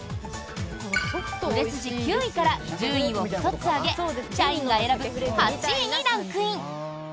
売れ筋９位から順位を１つ上げ社員が選ぶ８位にランクイン！